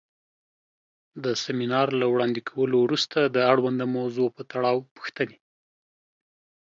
د سمینار له وړاندې کولو وروسته د اړونده موضوع پۀ تړاؤ پوښتنې